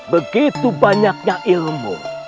begitu banyaknya ilmu